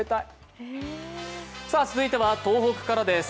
続いては東北からです。